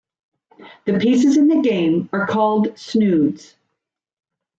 The pieces in the game are called "Snoods".